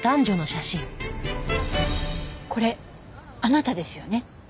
これあなたですよね？